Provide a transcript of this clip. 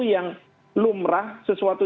yang lumrah sesuatu